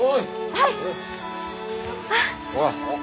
はい！